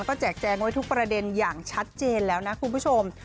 ก็แจกแจงไว้ทุกประเด็นอย่างชัดเจนแล้วนะคุณผู้ชม